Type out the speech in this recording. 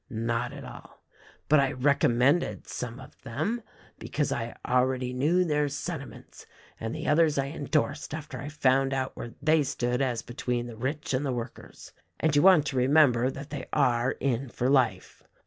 Not at all ! But I recommended some of them, because I already knew their sentiments, and the others I endorsed after I found out where they stood as be tween the rich and the workers. And you want to remem ber that they are in for life.